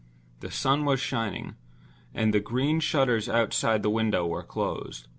The sun was shining; and the green shutters outside the window were closed.